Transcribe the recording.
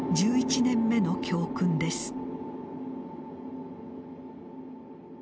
１１年目の教訓です。